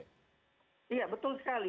iya betul sekali